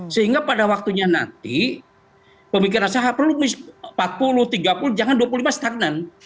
sehingga pada waktunya nanti pemikiran usaha perlu empat puluh tiga puluh jangan dua puluh lima stagnan